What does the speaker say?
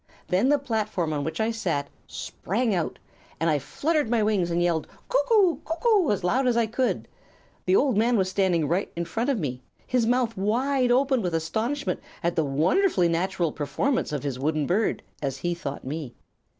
Then the platform on which I sat sprang out, and I fluttered my wings and yelled 'Cuck oo! Cuck oo!' as loud as I could. The old man was standing right in front of me, his mouth wide open with astonishment at the wonderfully natural performance of his wooden bird, as he thought me.